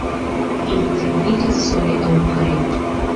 Ili troviĝas sole aŭ pare.